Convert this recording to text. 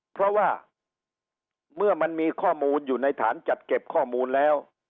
เพราะว่าเมื่อมันมีข้อมูลอยู่ในฐานจัดเก็บข้อมูลแล้ว